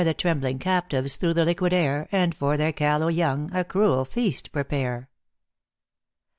The trembling captives through the liquid air, And for their callow young a cruel feast prepare.